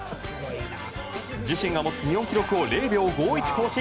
自身が持つ日本記録を０秒５１更新。